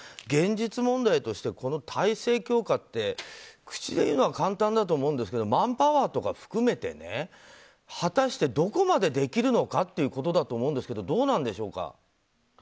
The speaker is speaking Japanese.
現実問題としてこの体制強化って口で言うのは簡単だと思うんですけどマンパワーとか含めて果たして、どこまでできるのかということだと思うんですけどどうなんでしょうか。